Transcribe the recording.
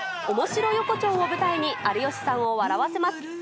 おもしろ横丁を舞台に、有吉さんを笑わせます。